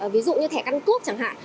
ví dụ như thẻ căn cước chẳng hạn